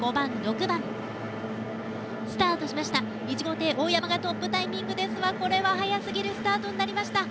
１号艇大山がトップタイミングですがこれは早すぎるスタートになりました。